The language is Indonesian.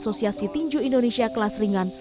asosiasi tinju indonesia kelas ringan